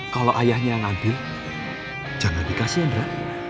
kalau ayahnya yang ambil jangan dikasih andra